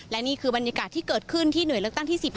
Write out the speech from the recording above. และนี่คือบรรยากาศที่เกิดขึ้นที่หน่วยเลือกตั้งที่๑๕